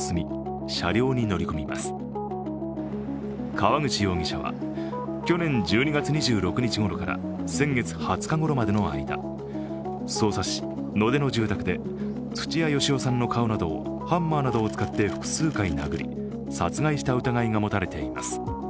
川口容疑者は、去年１２月２６日ごろから先月２０日ごろまでの間匝瑳市・野手の住宅で土屋好夫さんの顔などをハンマーなどを使って複数回殴り殺害した疑いが持たれています。